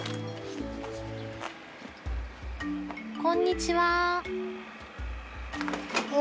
こんにちは。